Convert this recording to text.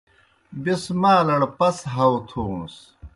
بیْس مالڑ پس ہاؤ تھوݨَس۔